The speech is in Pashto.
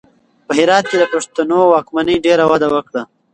په هرات کې د پښتنو واکمنۍ ډېره وده وکړه.